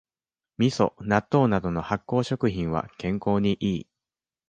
みそ、納豆などの発酵食品は健康にいい